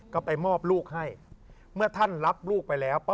ก็ไปมอบลูกให้เมื่อท่านรับลูกไปแล้ว